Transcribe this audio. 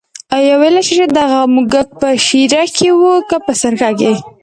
آیا ویلای شې چې دغه موږک په شېره کې و که په سرکه کې.